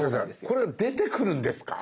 これ出てくるんですか？